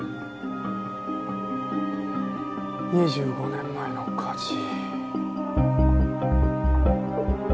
２５年前の火事。